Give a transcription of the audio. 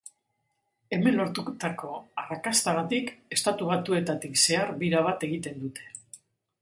Hemen lortutako arrakastagatik Estatu Batuetatik zehar bira bat egiten dute.